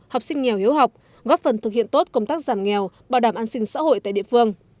học sinh nghèo hiếu học góp phần thực hiện tốt công tác giảm nghèo bảo đảm an sinh xã hội tại địa phương